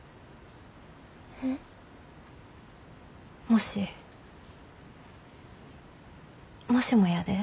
もしもしもやで。